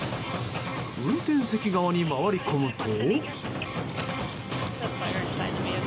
運転席側に回り込むと。